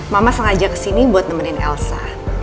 mama sengaja kesini buat nemenin elsa